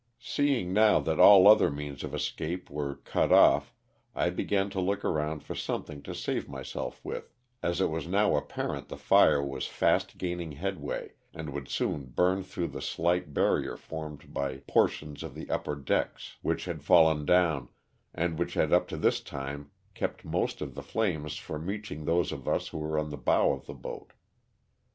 Seeing now that all other means of escape were cut off, I began to look around for something to save myself with, as it was now apparent the fire was fast gain ing headway, and would soon burn through the slight barrier formed by portions of the upper decks which 128 LOSS OF THE SULTANA. had fallen down, and which had up to this time kept most of the flames from reaching those of us who were on the bow of the boat.